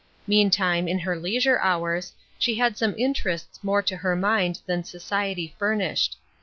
Meantime, in her leisure hours, she had some interests more to her mind than society furnished.